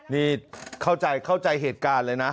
นี่เข้าใจเหตุการณ์เลยนะ